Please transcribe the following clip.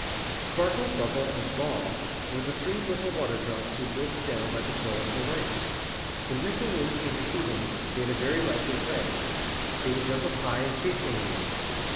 Sparkle, Bubble, and Ball were the three little water drops who lived down by the shore of the lake. When Mr. Wind came to see them, they had a very lively play. They would jump up high and chase one another.